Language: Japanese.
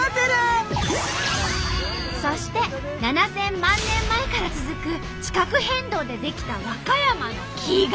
そして７，０００万年前から続く地殻変動で出来た和歌山の奇岩。